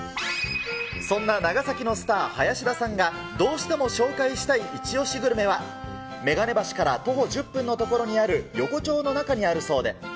そんな長崎のスター、林田さんがどうしても紹介したいイチオシグルメは、眼鏡橋から徒歩１０分の所にある、横丁の中にあるそうで。